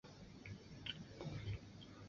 影片在商业上也遭遇了失败。